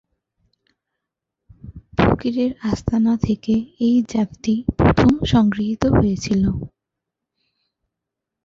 ফকিরের আস্তানা থেকে এই জাতটি প্রথম সংগৃহীত হয়েছিল।